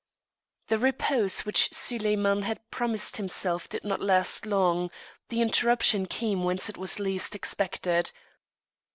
The repose which Soliman had promised himself did not last long; the interruption came whence it was least expected.